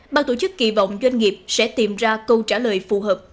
ban tổ chức kỳ vọng doanh nghiệp sẽ tìm ra câu trả lời phù hợp